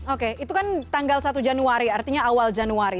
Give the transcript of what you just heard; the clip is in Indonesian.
oke itu kan tanggal satu januari artinya awal januari